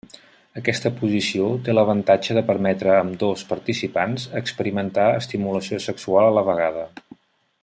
Aquesta posició té l'avantatge de permetre a ambdós participants experimentar estimulació sexual a la vegada.